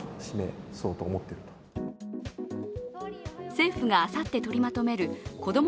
政府があさって取りまとめる子ども